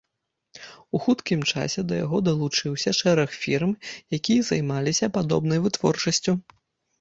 У хуткім часе да яго далучыўся шэраг фірм, якія займаліся падобнай вытворчасцю.